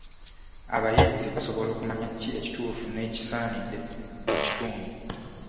Abayizi basobola okumanya ki ekituufu n'ekisaanidde mu kitundu.